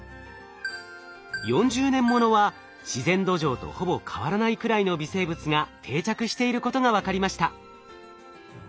４０年ものは自然土壌とほぼ変わらないくらいの微生物が定着していることが分かりました。